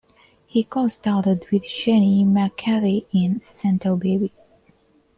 He co-starred with Jenny McCarthy in "Santa Baby".